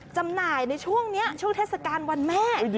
จำหน่ายในช่วงนี้ช่วงเทศกาลวันแม่